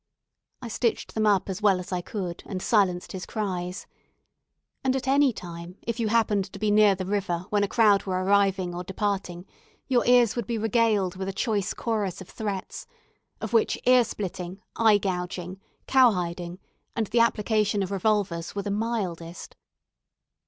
I stitched them up as well as I could, and silenced his cries. And at any time, if you happened to be near the river when a crowd were arriving or departing, your ears would be regaled with a choice chorus of threats, of which ear splitting, eye gouging, cow hiding, and the application of revolvers were the mildest.